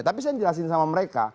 tapi saya jelasin sama mereka